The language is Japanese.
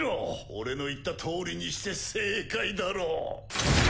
俺の言ったとおりにして正解だろう。